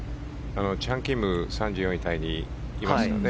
チャン・キム３４位タイにいますよね。